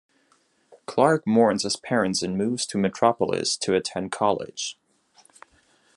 Clark mourns his parents and moves to Metropolis to attend college.